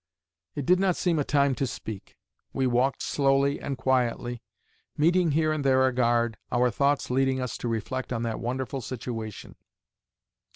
It did not seem a time to speak. We walked slowly and quietly, meeting here and there a guard, our thoughts leading us to reflect on that wonderful situation.